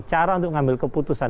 cara untuk mengambil keputusan